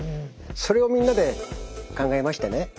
それをみんなで考えましてね